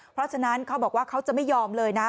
เพราะฉะนั้นเขาบอกว่าเขาจะไม่ยอมเลยนะ